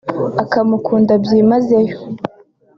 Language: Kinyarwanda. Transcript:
akamukunda byimazeyo